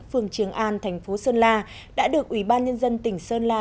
phường trường an thành phố sơn la đã được ủy ban nhân dân tỉnh sơn la